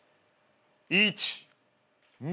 １２。